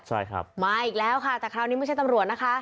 ใช่ครับมาอีกแล้วค่ะแต่คราวนี้ไม่ใช่ตำรวจนะคะ